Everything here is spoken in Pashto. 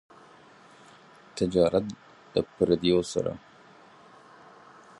تجارت له پرديو سره.